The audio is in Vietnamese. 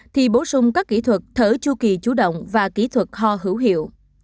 thì bổ sung các kỹ thuật thở chu kỳ chủ động và kỹ thuật ho hữu hiệu